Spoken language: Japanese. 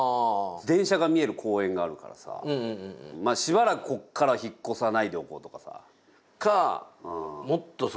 電車が見える公園があるからさしばらくここから引っこさないでおこうとかさ。